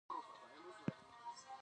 رومیان د فقر ضد غذا ګڼل کېږي